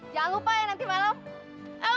jangan lupa ya nanti malam